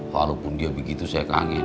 walaupun dia begitu saya kangen